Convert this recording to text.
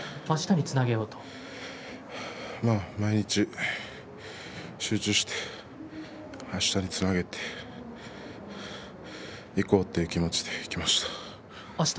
毎日集中してあしたにつなげていこうという気持ちでいきました。